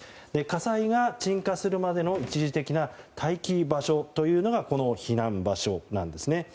火災が鎮火するまでの一時的な待機場所というのがこの避難場所なんですね。